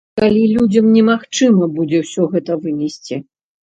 Калі людзям немагчыма будзе ўсё гэта вынесці.